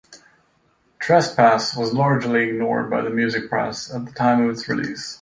"Trespass" was largely ignored by the music press at the time of its release.